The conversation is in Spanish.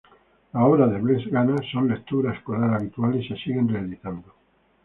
Las obras de Blest Gana son lectura escolar habitual y se siguen reeditando.